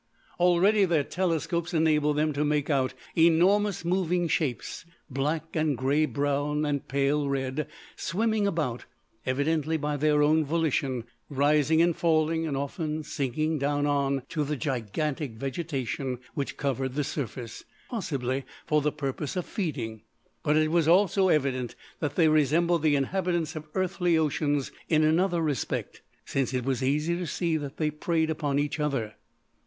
Already their telescopes enabled them to make out enormous moving shapes, black and grey brown and pale red, swimming about, evidently by their own volition, rising and falling and often sinking down on to the gigantic vegetation which covered the surface, possibly for the purpose of feeding. But it was also evident that they resembled the inhabitants of earthly oceans in another respect, since it was easy to see that they preyed upon each other.